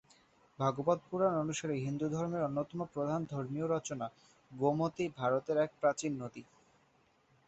ভাগবত পুরাণ অনুসারে হিন্দু ধর্মের অন্যতম প্রধান ধর্মীয় রচনা, গোমতী ভারতের এক প্রাচীন নদী।